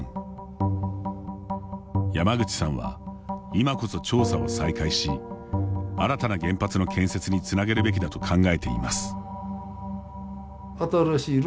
山口さんは、今こそ調査を再開し新たな原発の建設につなげるべきだと考えています。